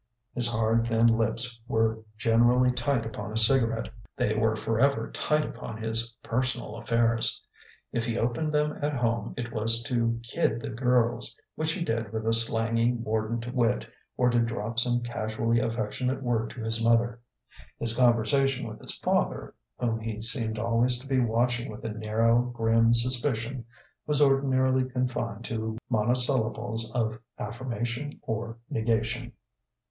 His hard, thin lips were generally tight upon a cigarette; they were forever tight upon his personal affairs: if he opened them at home it was to "kid" the girls, which he did with a slangy, mordant wit, or to drop some casually affectionate word to his mother. His conversation with his father, whom he seemed always to be watching with a narrow, grim suspicion, was ordinarily confined to monosyllables of affirmation or negation.